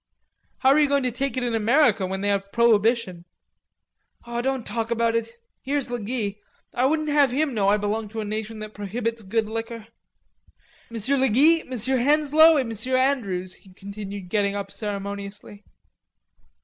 "How are you going to take it in America when they have prohibition?" "Don't talk about it; here's le Guy. I wouldn't have him know I belong to a nation that prohibits good liquor.... Monsieur le Guy, Monsieur Henslowe et Monsieur Andrews," he continued getting up ceremoniously.